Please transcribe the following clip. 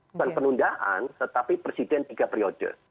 bukan penundaan tetapi presiden tiga periode